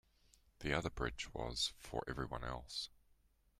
The other bridge was for everyone else.